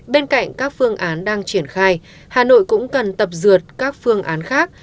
bên cạnh các phương án đang triển khai hà nội cũng cần tập dượt các phương án khác